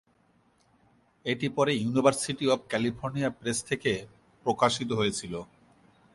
এটি পরে university of California press থেকে প্রকাশিত হয়েছিল।